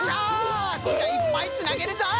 そんじゃいっぱいつなげるぞい。